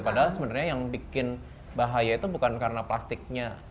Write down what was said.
padahal sebenarnya yang bikin bahaya itu bukan karena plastiknya